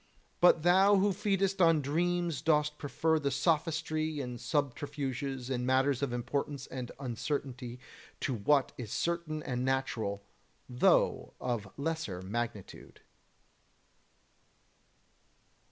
But thou who feedest on dreams dost prefer the sophistry and subterfuges in matters of importance and uncertainty to what is certain and natural, though of lesser magnitude.